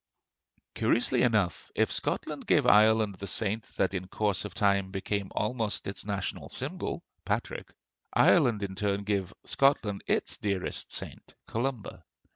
Curiously enough, if Scotland gave Ireland the saint that in course of time became almost its national symbol, Patrick, Ireland in turn gave Scotland its dearest saint, Columba.